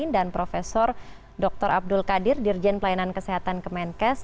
dan prof dr abdul kadir dirjen pelayanan kesehatan kemenkes